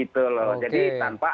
terus kita bisa menggunakan ini